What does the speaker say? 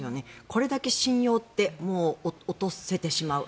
これだけ信用って落とせてしまう。